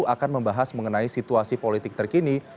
akan membahas mengenai situasi politik terkini